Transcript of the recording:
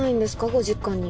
ご実家に。